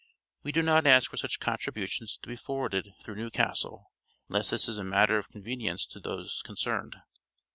We do not ask for such contributions to be forwarded through Newcastle unless this be a matter of convenience to those concerned.